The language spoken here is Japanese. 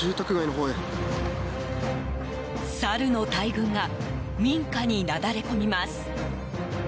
サルの大群が民家になだれ込みます。